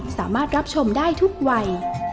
สามารถรับชมได้ทุกวัย